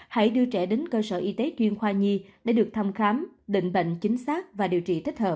hãy đưa trẻ đến cơ sở y tế chuyên khoa nhi để được thăm khám định bệnh chính xác và điều trị thích hợp